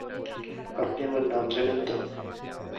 আপনি আমার নাম জানেন তো?